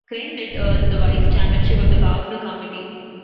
Crane did earn the vice-chairmanship of the powerful committee.